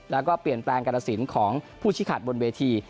แล้วก็เปลี่ยนแปลงการสินของผู้ชี้ขาดบนเวที